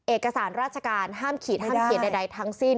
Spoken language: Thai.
เอกสารราชการห้ามขีดห้ามเขียนใดทั้งสิ้น